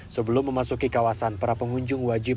sebelum memasuki kawasan para pengunjung wajib